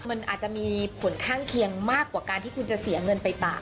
มันอาจจะมีผลข้างเคียงมากกว่าการที่คุณจะเสียเงินไปปาก